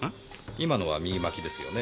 今のは右巻きですよね。